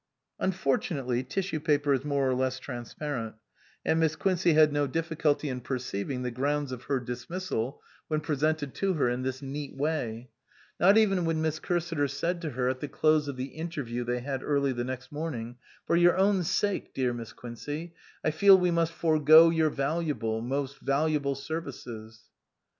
Unfortunately tissue paper is more or less transparent, and Miss Quincey had no difficulty 316 MISS QUINCEY STANDS BACK in perceiving the grounds of her dismissal when presented to her in this neat way. Not even when Miss Cursiter said to her, at the close of the interview they had early the next morning, " For your own sake, dear Miss Quincey, I feel we must forego your valuable most valuable services."